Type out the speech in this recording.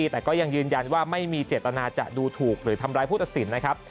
แต่ก็ยังยืนยันว่าไม่มีเจตนาจะดูถูกหรือทำร้ายผู้ตัดสินนะครับ